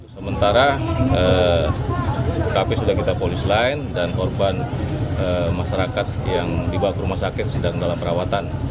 sementara kp sudah kita polis lain dan korban masyarakat yang dibawa ke rumah sakit sedang dalam perawatan